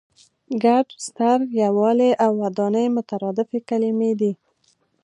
ګډ، ستر، یووالی او ودانۍ مترادفې کلمې دي.